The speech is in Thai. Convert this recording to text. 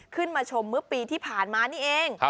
ขึ้นมาชมเมื่อปีที่ผ่านมานี่เอง